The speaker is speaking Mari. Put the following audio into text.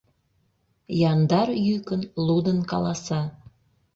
Яндар йӱкын лудын каласа: